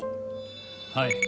はい。